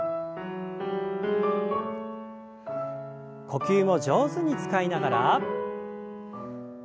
呼吸を上手に使いながら。